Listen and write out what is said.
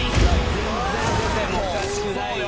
全然出てもおかしくないよ。